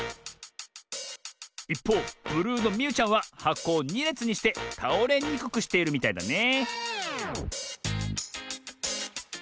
いっぽうブルーのみゆちゃんははこを２れつにしてたおれにくくしているみたいだね